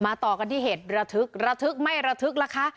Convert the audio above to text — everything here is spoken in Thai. ต่อกันที่เหตุระทึกระทึกไม่ระทึกล่ะคะ